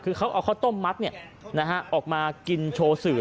คือเขาเอาข้าวต้มมัดออกมากินโชว์สื่อ